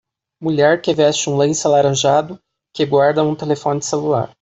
Mulher que veste um lenço alaranjado que guarda um telefone celular.